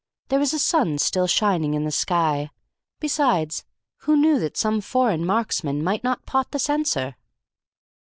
There was a sun still shining in the sky. Besides, who knew that some foreign marksman might not pot the censor?